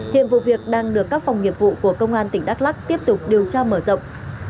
hiện vụ việc đang được các phòng nghiệp vụ của công an tỉnh đắk lắc tiếp tục điều tra mở rộng